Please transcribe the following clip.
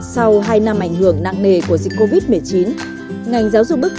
sau hai năm ảnh hưởng nặng nề của dịch covid một mươi chín các em đã tập trung ưu tiên cho các em